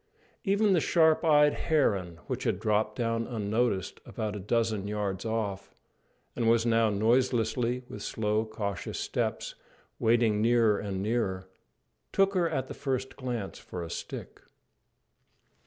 Even the sharp eyed heron, which had dropped down unnoticed about a dozen yards off, and was now noiselessly, with slow, cautious steps, wading nearer and nearer, took her at the first glance for a stick.